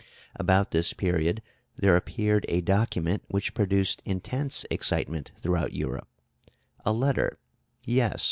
About this period there appeared a document which produced intense excitement throughout Europe a letter, yes!